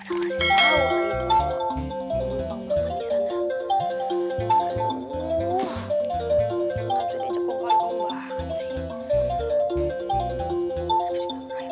oh enggak juga cukup warna bomba sih